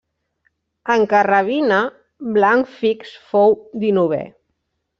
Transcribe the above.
En carrabina, blanc fix fou dinovè.